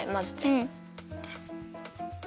うん。